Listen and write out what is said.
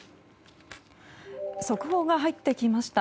速報が入ってきました。